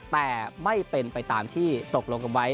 แต่ไม่เป็นไปตามที่ตกลงกันไว้